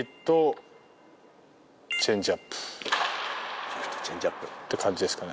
スプリット、チェンジアップって感じですかね。